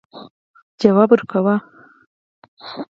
جواب ورکاوه.